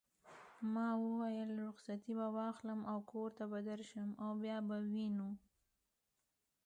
ما وویل: رخصتې به واخلم او کور ته به درشم او بیا به وینو.